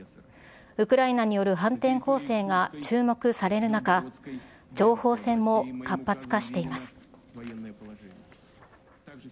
ウクライナによる反転攻勢が注目される中、情報戦も活発化しています。